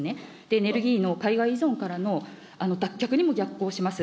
エネルギーの海外依存からの脱却にも逆行します。